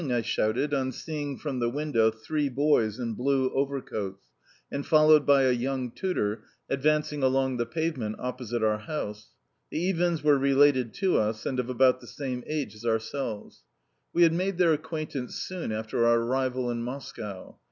I shouted on seeing from the window three boys in blue overcoats, and followed by a young tutor, advancing along the pavement opposite our house. The Iwins were related to us, and of about the same age as ourselves. We had made their acquaintance soon after our arrival in Moscow.